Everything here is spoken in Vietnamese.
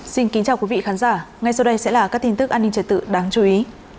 xin kính chào quý vị khán giả ngay sau đây sẽ là các tin tức an ninh trật tự đáng chú ý